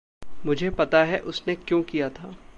मुझे पता है उसने क्यों किया था।